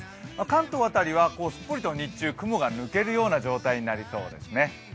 関東は辺りはすっぽりと日中、雲が抜けるような状態になりそうですね。